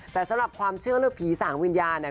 แต่สำหรับความเชื่อและผีสาห์งวิญญาเนี่ย